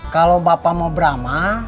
kalau bapak mau beramah